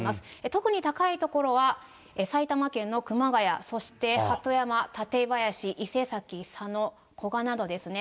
特に高い所は、埼玉県の熊谷、そして鳩山、館林、伊勢崎、佐野、古河などですね。